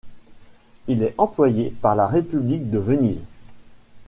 Il y est employé par la République de Venise.